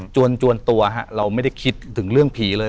จวนตัวเราไม่ได้คิดถึงเรื่องผีเลย